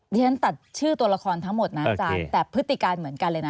ฉันตัดชื่อตัวละครทั้งหมดนะอาจารย์แต่พฤติการเหมือนกันเลยนะ